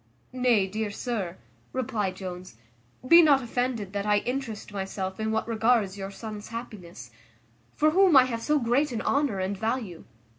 "Nay, dear sir," replied Jones, "be not offended that I interest myself in what regards your son's happiness, for whom I have so great an honour and value.